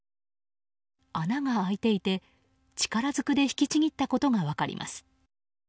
穴が開いていて、力ずくで引きちぎったことが分かります。